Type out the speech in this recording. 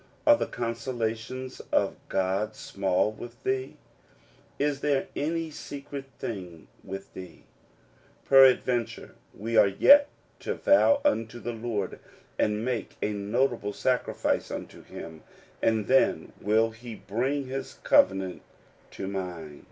"Are the consolations of God small with thee ? Is there any secret thing with thee ?" Peradventure we are yet to vow unto the Lord, and make a notable sacrifice unto him, and then will he bring his covenant to mind.